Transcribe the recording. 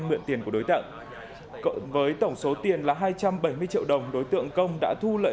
mượn tiền của đối tượng cộng với tổng số tiền là hai trăm bảy mươi triệu đồng đối tượng công đã thu lợi